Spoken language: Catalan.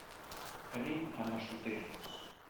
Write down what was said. Anem a Massoteres.